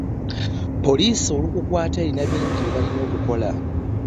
Poliisi olukukwaata erina bingi byebalina okukola.